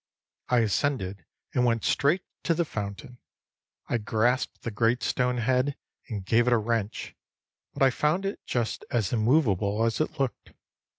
I ascended and went straight to the fountain. I grasped the great stone head and gave it a wrench, but found it just as immovable as it looked.